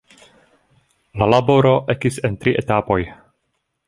La laboro ekis en tri etapoj.